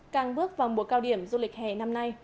càng bước vào mùa cao điểm du lịch hè năm nay